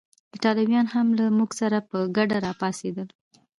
ایټالویان هم له موږ سره په ګډه راپاڅېدل.